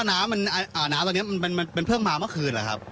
อ๋อน้ำตอนนี้มันเพิ่มมาเมื่อคืนหรือครับ